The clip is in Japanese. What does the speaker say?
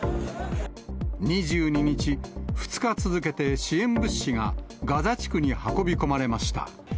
２２日、２日続けて支援物資がガザ地区に運び込まれました。